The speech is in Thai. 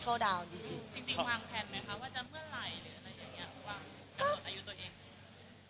จริงวางแพลนไหมคะว่าจะเมื่อไหร่หรืออะไรอย่างนี้หรือว่าอายุตัวเอง